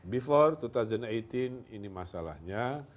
before dua ribu delapan belas ini masalahnya